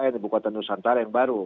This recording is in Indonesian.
ke ikn ibu kota nusantara yang baru